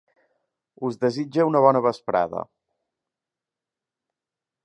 Us desitge una bona vesprada.